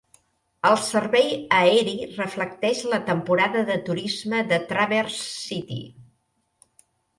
El servei aeri reflecteix la temporada de turisme de Traverse City.